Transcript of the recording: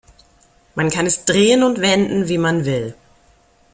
Man kann es drehen und wenden, wie man will.